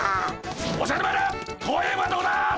おじゃる丸公園はどこだ！